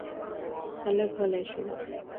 هلک غلی شو.